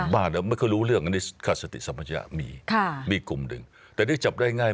บ้าในเรื่องนี้ไม่เคยรู้เรื่อง